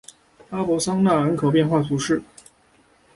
拉博桑讷人口变化图示